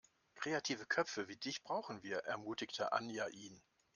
Kreative Köpfe wie dich brauchen wir, ermutigte Anja ihn.